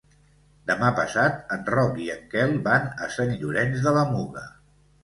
Demà passat en Roc i en Quel van a Sant Llorenç de la Muga.